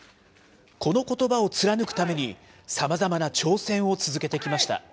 このことばを貫くために、さまざまな挑戦を続けてきました。